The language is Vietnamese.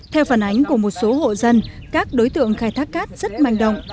theo phản ánh của một số hộ dân các đối tượng khai thác cát rất manh động